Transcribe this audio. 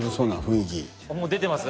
もう出てます？